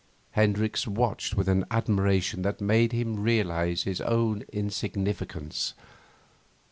Hendricks watched with an admiration that made him realise his own insignificance.